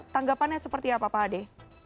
tanggapannya seperti apa pak ade